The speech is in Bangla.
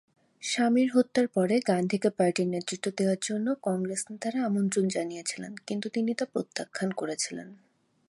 স্বামীর হত্যার পরে, গান্ধীকে পার্টির নেতৃত্ব দেওয়ার জন্য কংগ্রেস নেতারা আমন্ত্রণ জানিয়েছিলেন, কিন্তু তিনি তা প্রত্যাখ্যান করেছিলেন।